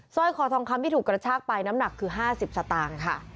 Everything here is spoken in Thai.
ร้อยคอทองคำที่ถูกกระชากไปน้ำหนักคือ๕๐สตางค์ค่ะ